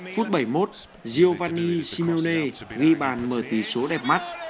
phút bảy mươi một giovanni simone ghi bàn mở tỷ số đẹp mắt